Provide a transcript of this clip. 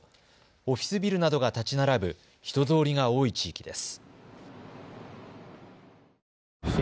オフィスビルなどが建ち並ぶ人通りが多い地域です。